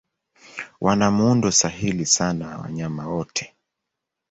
Wana muundo sahili sana wa wanyama wote.